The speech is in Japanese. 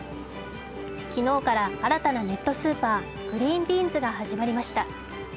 昨日から新たなネットスーパー、ＧｒｅｅｎＢｅａｎｓが始まりました。